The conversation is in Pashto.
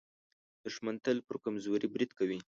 دښمن تل پر کمزوري برید کوي